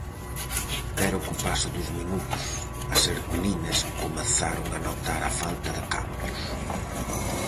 Pero co paso dos minutos as herculinas comezaron a notar a falta de cambios.